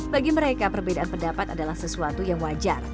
bagi mereka perbedaan pendapat adalah sesuatu yang wajar